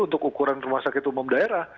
untuk ukuran rumah sakit umum daerah